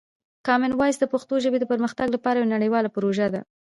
کامن وایس د پښتو ژبې د پرمختګ لپاره یوه نړیواله پروژه ده.